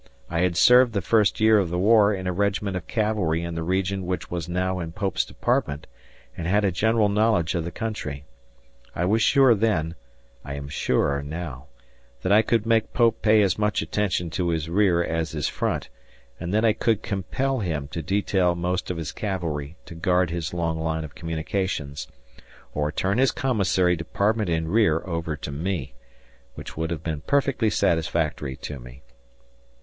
I had served the first year of the war in a regiment of cavalry in the region which was now in Pope's department and had a general knowledge of the country. I was sure then I am surer now that I could make Pope pay as much attention to his rear as his front, and that I could compel him to detail most of his cavalry to guard his long line of communications, or turn his commissary department and rear over to me which would have been perfectly satisfactory to me.